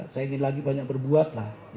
saya ingin lagi banyak berbuat lah